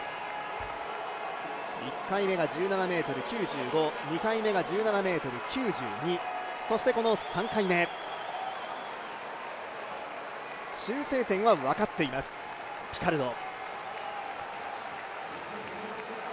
１回目が１７ｍ９５、２回目が１７ｍ９２、そしてこの３回目、修正点は分かっています、ピカルド。